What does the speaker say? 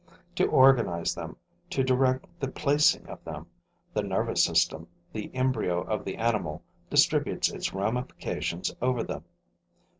To organize them, to direct the placing of them, the nervous system, the embryo of the animal, distributes its ramifications over them.